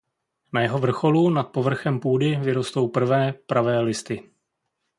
Na jeho vrcholu nad povrchem půdy vyrostou prvé pravé listy.